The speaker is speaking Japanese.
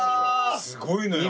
すごいのよ。